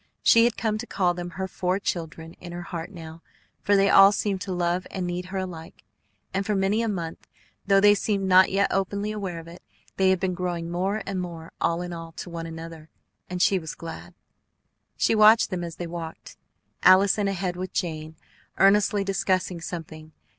She had come to call them her four children in her heart now, for they all seemed to love and need her alike; and for many a month, though they seemed not yet openly aware of it, they had been growing more and more all in all to one another; and she was glad. She watched them as they walked. Allison ahead with Jane, earnestly discussing something.